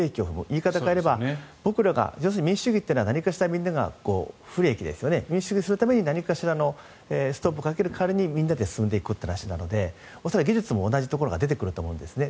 言い方を変えれば僕らが民主主義というのは何かしらみんなが不利益ですよね何かしらのストップをかける代わりにみんなで進んでいこうという話なので技術も同じところがあるんですね。